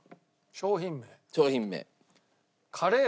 商品名。